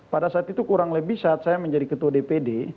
pada saat itu kurang lebih saat saya menjadi ketua dpd